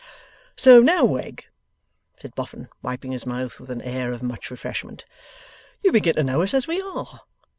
'So now, Wegg,' said Mr Boffin, wiping his mouth with an air of much refreshment, 'you begin to know us as we are.